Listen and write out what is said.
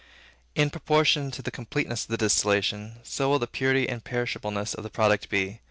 In proportion to the completeness of the distillation, so will the purity and imperishableness of the product be.